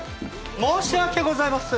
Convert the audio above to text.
申し訳ございません。